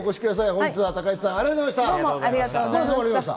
本日は高市さん、ありがとうございました。